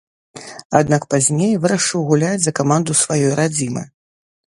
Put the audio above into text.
Аднак пазней вырашыў гуляць за каманду сваёй радзімы.